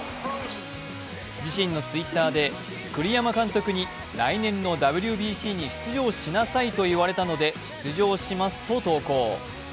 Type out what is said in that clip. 自身のＴｗｉｔｔｅｒで栗山監督に来年のＷＢＣに出場しなさいと言われたので出場しますと投稿。